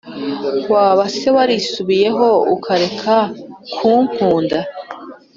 waba se warisubiyeho, ukareka kunkunda?